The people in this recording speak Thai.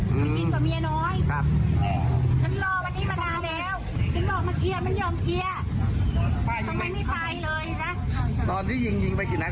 โหโหดอย่างเดียวเลย